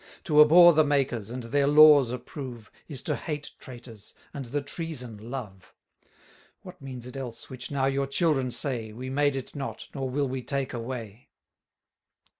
To abhor the makers, and their laws approve, Is to hate traitors, and the treason love. What means it else, which now your children say, We made it not, nor will we take away?